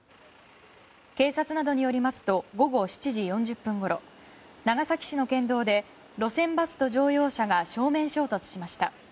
警察などによりますと午後７時４０分ごろ長崎市の県道で路線バスと乗用車が正面衝突しました。